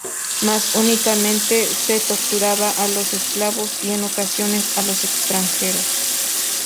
Más únicamente se torturaba a los esclavos y, en ocasiones, a los extranjeros.